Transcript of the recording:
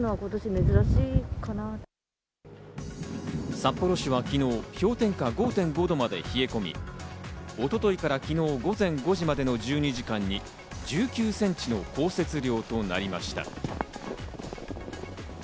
札幌市は昨日、氷点下５．５度まで冷え込み、一昨日から昨日午前５時までの１２時間に１９ｃｍの降雪量となりました。